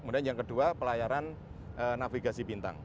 dan yang kedua pelayaran navigasi bintang